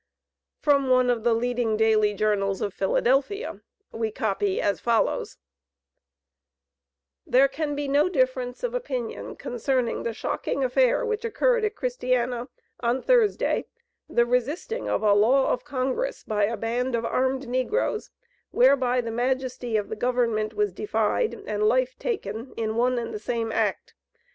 From one of the leading daily journals of Philadelphia, we copy as follows: "There can be no difference of opinion concerning the shocking affair which occurred at Christiana, on Thursday, the resisting of a law of Congress by a band of armed negroes, whereby the majesty of the Government was defied and life taken in one and the same act.